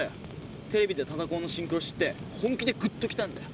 テレビで唯高のシンクロ知って本気でグッときたんだよ。